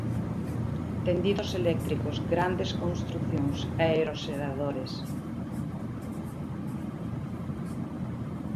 Tendidos eléctricos, grandes construcións, aeroxeradores...